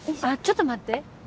あっちょっと待って。